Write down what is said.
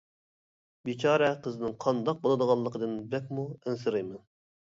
بىچارە قىزنىڭ قانداق بولىدىغانلىقىدىن بەكمۇ ئەنسىرەيمەن.